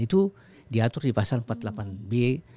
itu diatur di pasal empat puluh delapan b